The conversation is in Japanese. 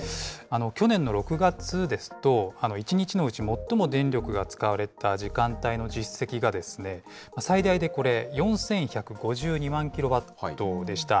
去年の６月ですと、１日のうち最も電力が使われた時間帯の実績が最大でこれ、４１５２万キロワットでした。